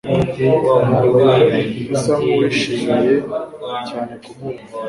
Ntabwo usa nkuwishimiye cyane kumbona